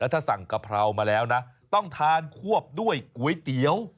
ถ้าสั่งกะเพรามาแล้วนะต้องทานควบด้วยก๋วยเตี๋ยว